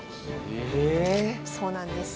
ええ⁉そうなんです。